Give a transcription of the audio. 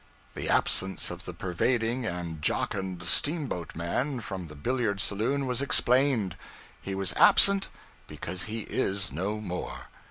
The absence of the pervading and jocund steamboatman from the billiard saloon was explained. He was absent because he is no more.